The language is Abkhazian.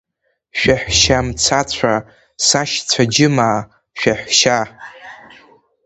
Шәаҳәшьаа мцацәа, сашьцәа, џьымаа, шәаҳәшьаа!